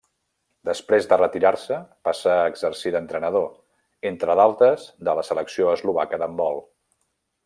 Després de retirar-se passà a exercir d'entrenador, entre d'altres de la selecció eslovaca d'handbol.